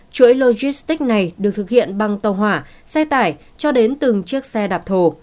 chuỗi logistics này được thực hiện bằng tàu hỏa xe tải cho đến từng chiếc xe đạp thổ